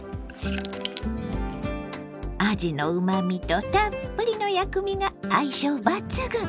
あじのうまみとたっぷりの薬味が相性抜群！